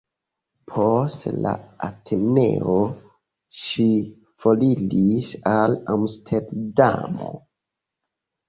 Post la Ateneo ŝi foriris al Amsterdamo.